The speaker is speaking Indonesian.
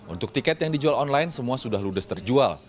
untuk tiket yang dijual online semua sudah ludes terjual